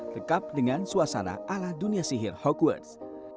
lengkap dengan suasana ala dunia sihir hogwarts